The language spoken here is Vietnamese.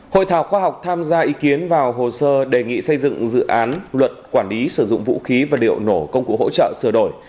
hội thảo khoa học tham gia ý kiến vào hồ sơ đề nghị xây dựng dự án luật quản lý sử dụng vũ khí và liệu nổ công cụ hỗ trợ sửa đổi